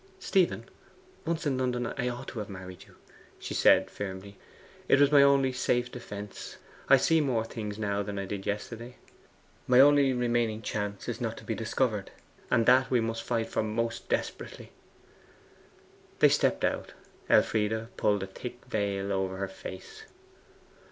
'Stephen, once in London I ought to have married you,' she said firmly. 'It was my only safe defence. I see more things now than I did yesterday. My only remaining chance is not to be discovered; and that we must fight for most desperately.' They stepped out. Elfride pulled a thick veil over her face.